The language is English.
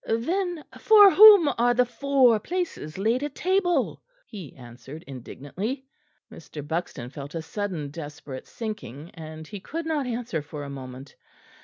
"Then for whom are the four places laid at table?" he answered indignantly. Mr. Buxton felt a sudden desperate sinking, and he could not answer for a moment.